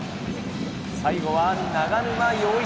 最後は長沼洋一。